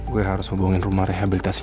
gue harus hubungin rumah rehabilitasnya elsa